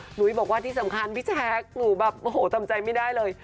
หุ้ยบอกว่าที่สำคัญพี่แจ๊คหนูแบบโอ้โหทำใจไม่ได้เลย